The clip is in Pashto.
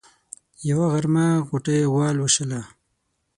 يوه غرمه غوټۍ غوا لوشله.